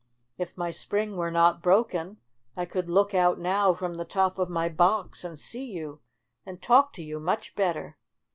If my spring were not broken I could look out now from the top of my box and see you and talk to you much better.